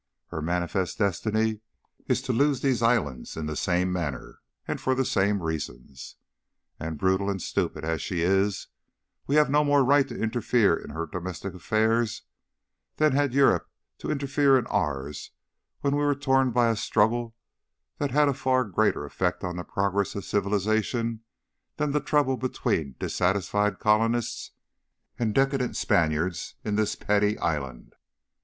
Her manifest destiny is to lose these islands in the same manner and for the same reasons. And brutal and stupid as she is, we have no more right to interfere in her domestic affairs than had Europe to interfere in ours when we were torn by a struggle that had a far greater effect on the progress of civilization than the trouble between dissatisfied colonists and decadent Spaniards in this petty island.